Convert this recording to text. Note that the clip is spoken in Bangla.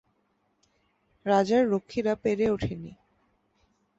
রাজার রক্ষীরা পেরে ওঠেনি।